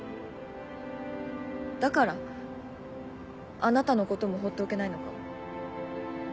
だからあなたのことも放っておけないのかも。